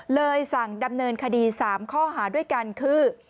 สั่งดำเนินคดี๓ข้อหาด้วยกันคือ